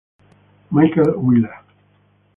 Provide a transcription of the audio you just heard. Michael Wheeler